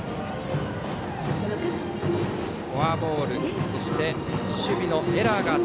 フォアボールそして守備のエラー。